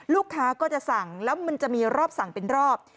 ลูกค้าก็จะสั่งแล้วมันจะมีรอบสั่งเป็นรอบ